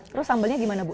terus sambalnya gimana bu